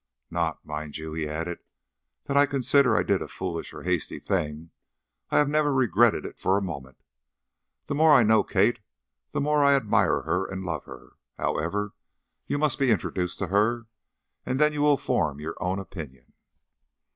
Not, mind you," he added, "that I consider I did a foolish or hasty thing. I have never regretted it for a moment. The more I know Kate the more I admire her and love her. However, you must be introduced to her, and then you will form your own opinion."